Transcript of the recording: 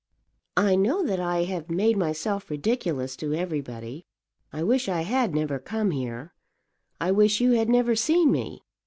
"I know that I have made myself ridiculous to everybody. I wish I had never come here. I wish you had never seen me."